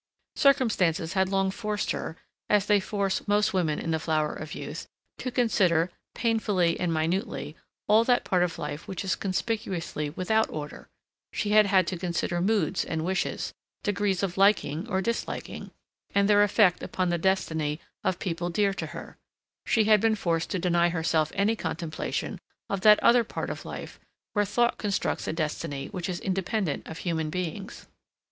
Circumstances had long forced her, as they force most women in the flower of youth, to consider, painfully and minutely, all that part of life which is conspicuously without order; she had had to consider moods and wishes, degrees of liking or disliking, and their effect upon the destiny of people dear to her; she had been forced to deny herself any contemplation of that other part of life where thought constructs a destiny which is independent of human beings.